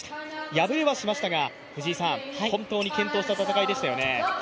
敗れはしましたが本当に健闘した戦いでしたよね。